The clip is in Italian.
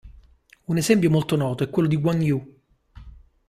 Un esempio molto noto è quello di Guan Yu.